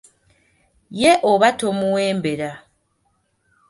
Ye oba tomuwembera.